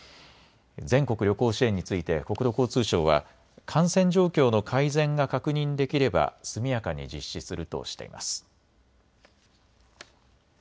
全国旅行支援について国土交通省は感染状況の改善が確認できれば速やかに実施するとしています。